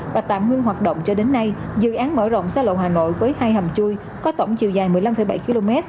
và tạm ngưng hoạt động cho đến nay dự án mở rộng xa lộ hà nội với hai hầm chui có tổng chiều dài một mươi năm bảy km